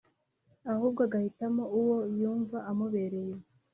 ahubwo agahitamo uwo yumva amubereye